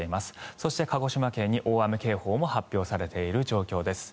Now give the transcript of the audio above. そして、鹿児島県に大雨警報も発表されている状況です。